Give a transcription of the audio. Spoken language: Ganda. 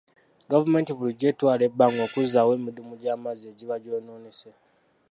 Gavumenti bulijjo etwala ebbanga okuzzaawo emidumu gy'amazzi egiba gyonoonese.